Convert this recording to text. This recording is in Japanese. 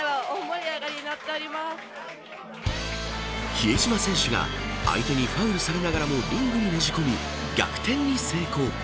比江島選手が相手にファウルされながらもリンクにねじ込み逆転に成功。